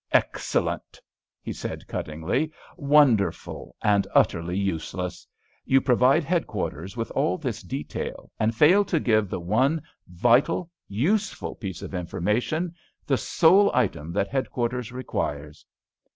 "Excellent!" he said, cuttingly; "wonderful and utterly useless! You provide Headquarters with all this detail, and fail to give the one vital, useful piece of information—the sole item that Headquarters requires."